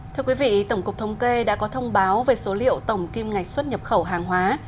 thưa quý vị tổng cục thông kê đã có thông báo về số liệu tổng kim ngạch xuất nhập khẩu hàng hóa